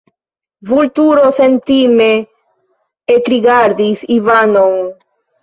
Vulturo sentime ekrigardis Ivanon.